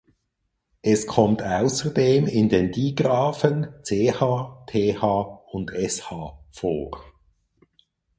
Es kommt außerdem in den Digraphen ch, th und sh vor.